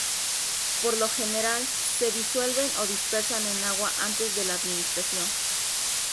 Por lo general, se disuelven o dispersan en agua antes de la administración.